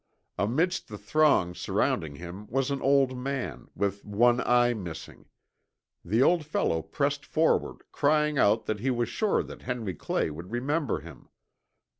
Amidst the throng surrounding him was an old man, with one eye missing. The old fellow pressed forward crying out that he was sure that Henry Clay would remember him.